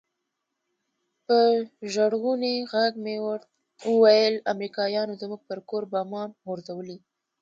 په ژړغوني ږغ مې وويل امريکايانو زموږ پر کور بمان غورځولي.